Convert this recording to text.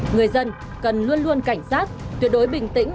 người dân cần luôn luôn cảnh giác tuyệt đối bình tĩnh